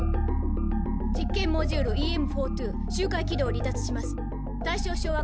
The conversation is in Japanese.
実験モジュールＥＭ４２周回軌道を離脱します。